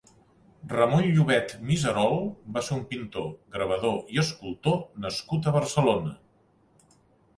Ramon Llovet Miserol va ser un pintor, gravador i escultor nascut a Barcelona.